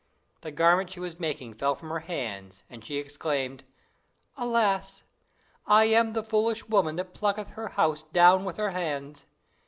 The garment she was making fell from her hands, and she exclaimed, "Alas! I am the foolish woman that plucketh her house down with her hands!